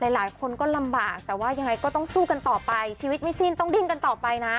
หลายคนก็ลำบากแต่ว่ายังไงก็ต้องสู้กันต่อไปชีวิตไม่สิ้นต้องดิ้นกันต่อไปนะ